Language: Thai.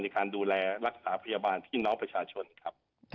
ในการดูแลรักษาพยาบาลพี่น้องประชาชนครับ